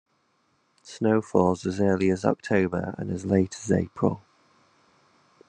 Snow falls as early as October and as late as April.